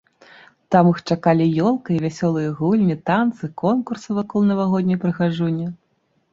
Там іх чакалі ёлка і вясёлыя гульні, танцы, конкурсы вакол навагодняй прыгажуні.